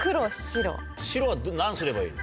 白は何すればいいの？